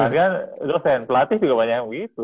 nah kan dosen pelatih juga banyak yang begitu